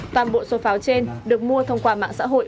toàn bộ số pháo trên được mua thông qua mạng xã hội